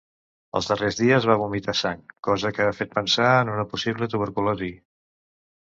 Els darrers dies va vomitar sang, cosa que ha fet pensar en una possible tuberculosi.